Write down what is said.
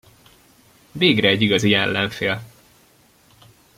Végre egy igazi ellenfél!